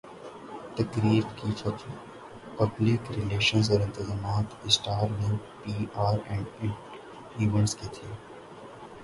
تقریب کی پبلک ریلشنزاورانتظامات Star Link P R and Events کے تھے